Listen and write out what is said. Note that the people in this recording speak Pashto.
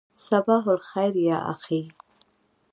صباح الخیر یا اخی.